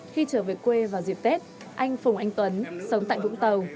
khi trở về quê vào dịp tết anh phùng anh tuấn sống tại vũng tàu